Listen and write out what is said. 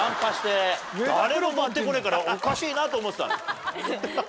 誰も乗ってこねえからおかしいなと思ってたの。